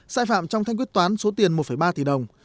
sai phạm trong thanh quyết toán số tiền một ba tỷ đồng